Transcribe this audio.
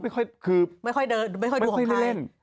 ไม่ค่อยดูหัวใคร